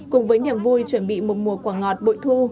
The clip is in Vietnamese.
cùng với niềm vui chuẩn bị một mùa quả ngọt bội thu